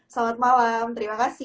selamat malam terima kasih